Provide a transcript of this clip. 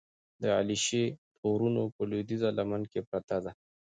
د علیشې د غرونو په لودیځه لمن کې پرته ده،